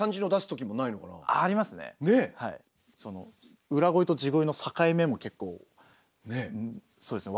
その裏声と地声の境目も結構そうですね